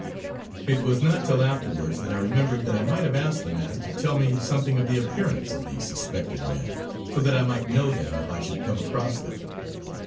It was not till afterwards that I remembered that I might have asked the man to tell me something of the appearance of the suspected men, so that I might know them if I should come across them.